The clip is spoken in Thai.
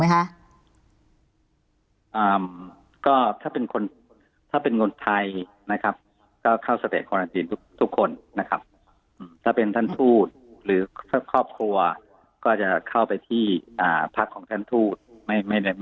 ไม่ได้เข้าสเตสกวารันทีนะคะ